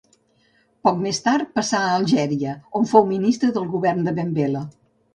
Poc més tard, passà a Algèria, on fou ministre del govern de Ben Bella.